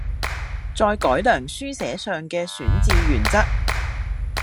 再改良書寫上嘅選字原則